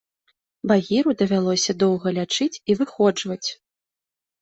Багіру давялося доўга лячыць і выходжваць.